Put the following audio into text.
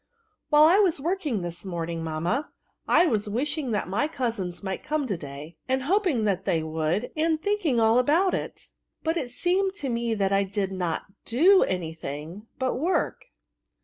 ^ While I was working this momingy mamma, I was wishingthat my cousins might come to day, and hoping that they would, and thinking all about it ; but it seemed to me that I did not do any thing but work."